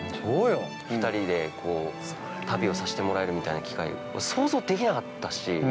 ２人で、こう、旅をさせてもらえるみたいな機会想像できなかったし。